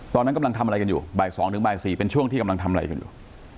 ตอนนั้นกำลังทำอะไรกันอยู่บ่าย๒ถึงบ่าย๔เป็นช่วงที่กำลังทำอะไรกันอยู่